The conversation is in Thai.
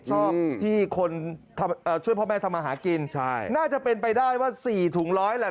ชอบที่คนช่วยพ่อแม่ทำมาหากินใช่น่าจะเป็นไปได้ว่าสี่ถุงร้อยแหละ